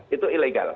ya itu ilegal